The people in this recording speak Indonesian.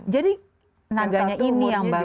jadi naganya ini yang bagus